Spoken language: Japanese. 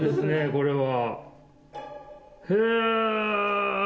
これは。